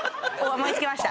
思いつきました